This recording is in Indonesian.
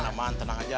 nah aman tenang aja